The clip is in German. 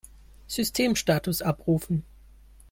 Systemstatus abrufen!